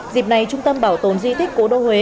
dịp này trung tâm bảo tồn di tích cố đô huế